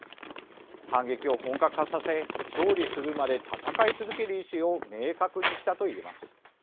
反撃を本格化させ、勝利するまで戦い続ける意志を明確にしたといえます。